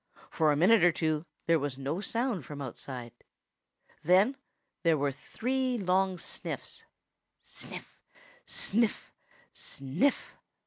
For a minute or two there was no sound from outside. Then there were three long sniffs sniff, sniff, sniff!